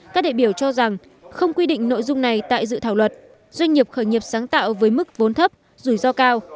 các đại biểu cho rằng không quy định nội dung này tại dự thảo luật doanh nghiệp khởi nghiệp sáng tạo với mức vốn thấp rủi ro cao